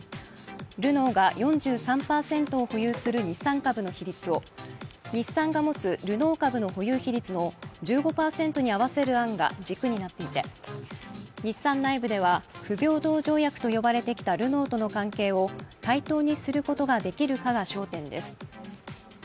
ルノーが４３％を保有する日産株の比率を日産が持つルノー株の保有比率の１５％に合わせる案が軸になっていて日産内部では不平等条約と呼ばれてきたルノーとの関係を対等にすることができるかが焦点です。